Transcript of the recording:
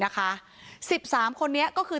๑๓คนนี้ก็คือ